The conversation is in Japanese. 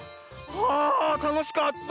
はあたのしかった。